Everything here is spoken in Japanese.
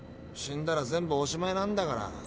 死んだら全部おしまいなんだから。